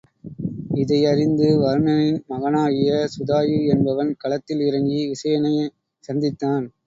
இதை அறிந்து வருணனின் மகனாகிய சுதாயு என்பவன் களத்தில் இறங்கி விசயனைச் சந்தித்தான்.